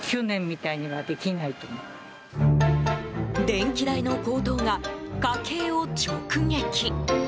電気代の高騰が家計を直撃。